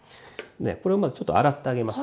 これをまずちょっと洗ってあげます。